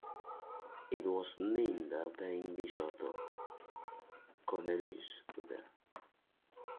It was named after English author Cornelius Udall.